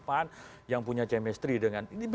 pan yang punya chemistry dengan ini